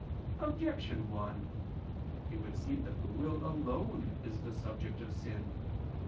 Objection 1: It would seem that the will alone is the subject of sin.